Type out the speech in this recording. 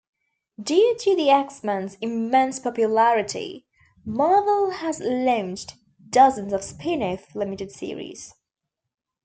Due to the X-Men's immense popularity, Marvel has launched dozens of spin-off limited series.